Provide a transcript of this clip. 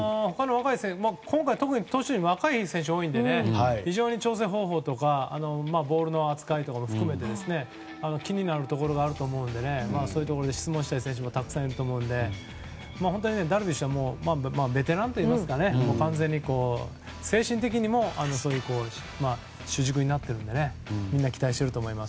今回、特に投手陣は若い選手が多いので非常に調整方法とかボールの扱いとかも含めて気になるところがあると思うんでそういうところで質問したい選手もたくさんいると思うのでダルビッシュはベテランといいますか完全に精神的にも主軸になっているのでみんな期待していると思います。